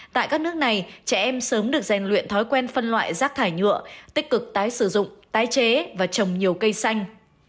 tại các nước này trẻ em sớm được rèn luyện thói quen phân loại rác thải nhựa tích cực tái sử dụng tái chế và trồng nhiều cây xanh